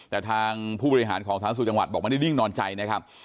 แต่ทางผู้บริหารของศาสนสูตรจังหวัดบอกมาได้หนึ่งนอนใจนะครับ